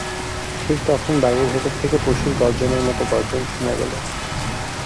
ঠিক তখন বাড়ির ভেতর থেকে পশুর গর্জনের মতো গর্জন শোনা গেল।